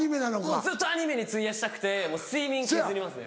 ずっとアニメに費やしたくて睡眠削りますね。